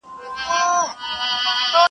بد مه کوه، بد به نه در رسېږي-